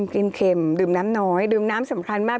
กินเข็มดื่มน้ำน้อยดื่มน้ำสำคัญมาก